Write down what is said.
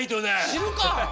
知るか！